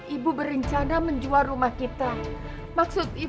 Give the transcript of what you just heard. ibu berencana menjual rumah kita maksud ibu